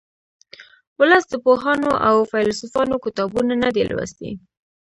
ولس د پوهانو او فیلسوفانو کتابونه نه دي لوستي